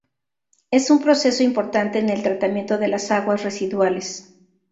Es un proceso importante en el tratamiento de las aguas residuales.